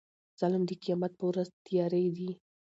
ظلم د قيامت په ورځ تيارې دي